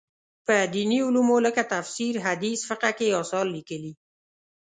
په دیني علومو لکه تفسیر، حدیث، فقه کې یې اثار لیکلي.